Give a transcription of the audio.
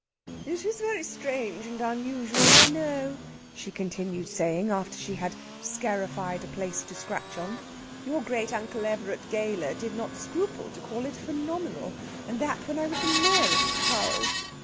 "It is very strange and most unusual, I know," she continued saying after she had scarified a place to scratch on. "Your great uncle Everett Gayler did not scruple to call it phenomenal, and that when I was the merest child.